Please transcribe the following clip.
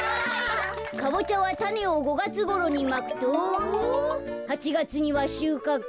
「かぼちゃはたねを５がつごろにまくと８がつにはしゅうかく」。